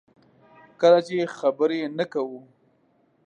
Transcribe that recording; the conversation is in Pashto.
کله چې خبرې نه کوو.